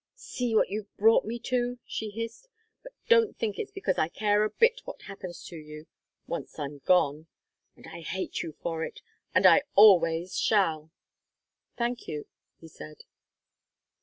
"You see what you've brought me to!" she hissed. "But don't think it's because I care a bit what happens to you once I'm gone. And I hate you for it and I always shall!" "Thank you," he said.